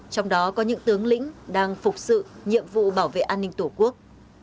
trong đó có những tướng lĩnh đang phục sự nhiệm vụ bảo vệ an ninh tổ quốc